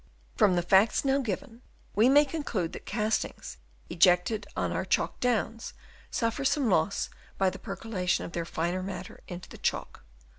From the facts now given we may conclude that castings ejected on our Chalk Downs suffer some loss by the percolation of their finer matter into the chalk.